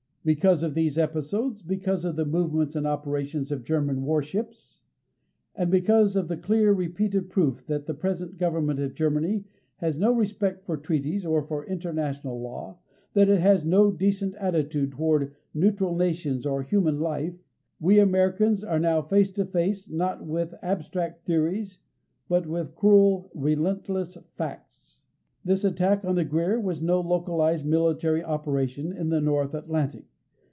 Because of these episodes, because of the movements and operations of German warships, and because of the clear, repeated proof that the present government of Germany has no respect for treaties or for international law, that it has no decent attitude toward neutral nations or human life we Americans are now face to face not with abstract theories but with cruel, relentless facts. This attack on the GREER was no localized military operation in the North Atlantic.